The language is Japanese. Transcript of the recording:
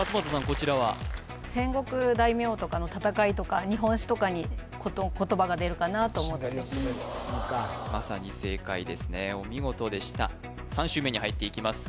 こちらは戦国大名とかの戦いとか日本史とかに言葉が出るかなと思ってしんがりを務めるまさに正解ですねお見事でした３周目に入っていきます